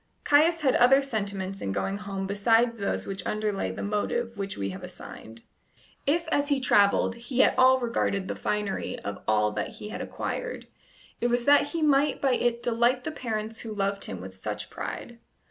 Caius had other sentiments in going home besides those which underlay the motive which we have assigned. If as he travelled he at all regarded the finery of all that he had acquired, it was that he might by it delight the parents who loved him with such pride.